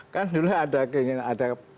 kan dulu ada sikap gitu